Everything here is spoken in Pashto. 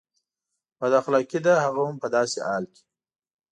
بد اخلاقي ده هغه هم په داسې حال کې.